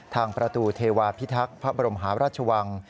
ทางประตูเทวาพิทักษ์พระบรมหาราชวัง